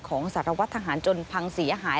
ของสรวจทหารจนพังเสียหาย